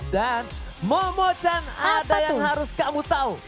dan momo chan ada yang harus kamu tau